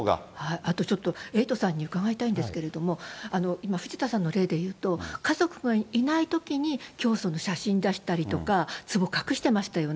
あとちょっとエイトさんに伺いたいんですけれども、今、藤田さんの例でいうと、家族がいないときに、教祖の写真出したりとか、つぼ隠していましたよね。